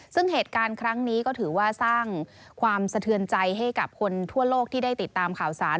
ซึ่งเหตุการณ์ครั้งนี้ก็ถือว่าสร้างความสะเทือนใจให้กับคนทั่วโลกที่ได้ติดตามข่าวสาร